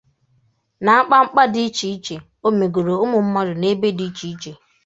nà mkpamkpa dị icheiche o megoro ụmụmmadụ n'ebe dị icheiche.